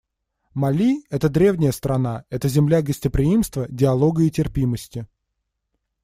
Мали — это древняя страна, это земля гостеприимства, диалога и терпимости.